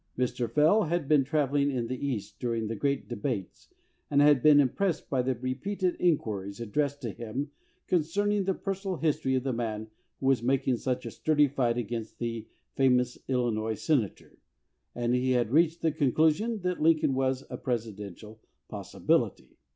Mr. Fell had been traveling in the East during the great debates, and had been impressed by the repeated inquiries addressed to him con cerning the personal history of the man who was making such a sturdy fight against the famous Illinois senator, and he had reached the conclusion 280 AS CANDIDATE that Lincoln was a Presidential possibility.